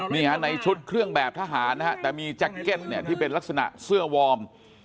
นี่ฮะในชุดเครื่องแบบทหารนะฮะแต่มีแจ็คเก็ตเนี่ยที่เป็นลักษณะเสื้อวอร์ม